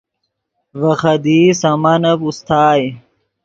ڤے خدیئی سامانف اوستائے